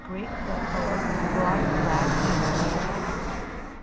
plakoeis, broad, flat, even.